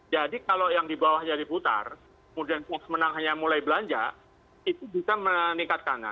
kalau yang di bawahnya diputar kemudian pos menang hanya mulai belanja itu bisa meningkatkannya